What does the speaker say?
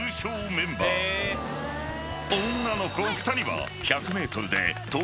［女の子２人は］